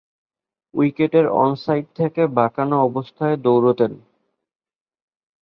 উইকেটের on side থেকে বাঁকানো অবস্থায় দৌঁড়তেন।